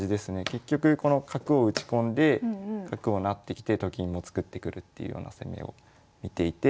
結局この角を打ち込んで角を成ってきてと金も作ってくるっていうような攻めを見ていて。